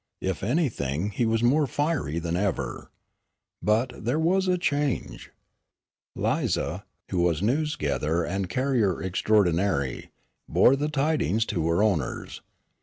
If anything he was more fiery than ever. But, there was a change. Lize, who was news gatherer and carrier extraordinary, bore the tidings to her owners.